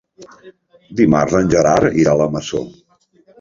Dimarts en Gerard irà a la Masó.